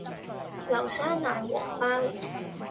流沙奶黃包